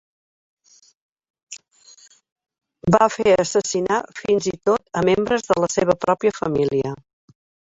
Va fer assassinar fins i tot a membres de la seva pròpia família.